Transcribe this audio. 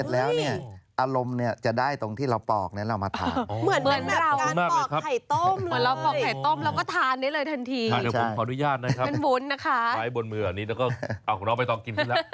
ใช้บนมือเท่านี้แล้วเหรอไปต่อกินซะแล้ว